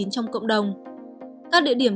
trong cộng đồng các địa điểm